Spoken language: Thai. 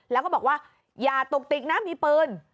แล้วก็บอกว่าอย่าตุกติกนะมีปืน